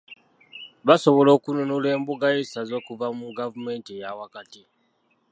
Baasobola okununula embuga y'essaza okuva mu gavumenti eyaawakati